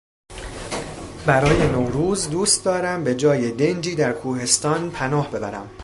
برای نوروز دوست دارم به جای دنجی در کوهستان پناه ببرم.